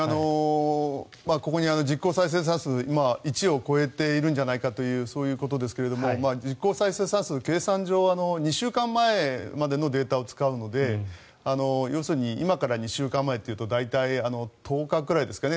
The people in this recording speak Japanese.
ここにある実効再生産数が今、１を超えているのではとそういうことですが実効再生産数、計算上２週間前までのデータを使うので要するに今から２週間前というと大体、１０日ぐらいですかね。